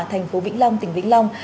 thành phố vĩnh long tỉnh vĩnh long